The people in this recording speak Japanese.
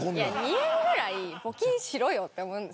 ２円ぐらい募金しろよって思うんです。